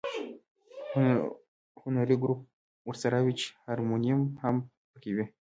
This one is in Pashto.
هنري ګروپ ورسره وي چې هارمونیم هم په کې وي.